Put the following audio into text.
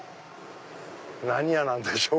何屋なんでしょう？